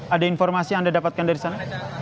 ada informasi yang anda dapatkan dari sana